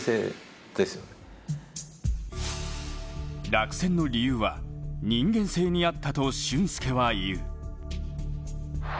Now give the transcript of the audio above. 落選の理由は人間性にあったと俊輔は言う。